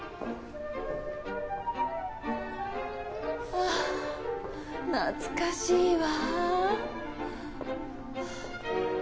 ああ懐かしいわ。